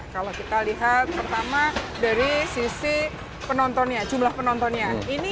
kalau kita lihat pertama dari sisi penontonnya jumlah penontonnya